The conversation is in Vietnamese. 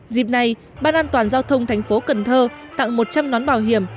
dịp này ban an toàn giao thông thành phố cần thơ tặng một trăm linh nón bảo hiểm